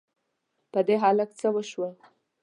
په دې هلک څه وشوو؟!